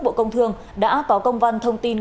bộ công thương đã có công văn thông tin